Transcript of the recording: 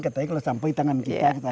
kalau sampai di tangan kita